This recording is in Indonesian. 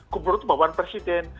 gubernur itu bawaan presiden